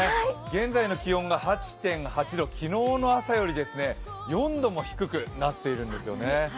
現在の気温が８．８度、昨日の朝より４度も低くなっているんですよね。